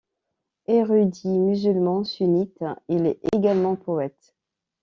Érudit musulman sunnite, il est également poète.